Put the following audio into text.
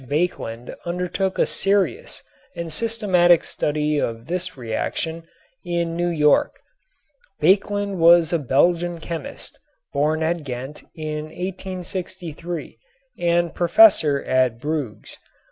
Baekeland undertook a serious and systematic study of this reaction in New York. Baekeland was a Belgian chemist, born at Ghent in 1863 and professor at Bruges.